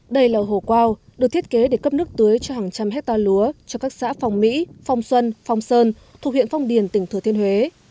đây là hồ quao được thiết kế để cấp nước tưới cho hàng trăm hectare lúa cho các xã phong mỹ phong xuân phong sơn thuộc huyện phong điền tỉnh thừa thiên huế